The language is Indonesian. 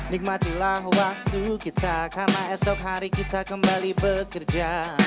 nikmatilah waktu kita karena esok hari kita kembali bekerja